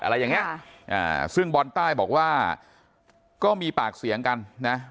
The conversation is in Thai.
อะไรอย่างเงี้ซึ่งบอลใต้บอกว่าก็มีปากเสียงกันนะ